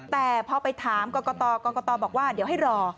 แต่พอไปถามกรกตกรกตบอกว่าเดี๋ยวให้รอ